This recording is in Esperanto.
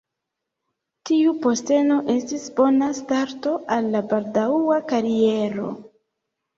Tiu posteno estis bona starto al la baldaŭa kariero.